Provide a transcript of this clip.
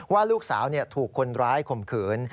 ว่าลูกสาวถูกคนร้ายข่มขืน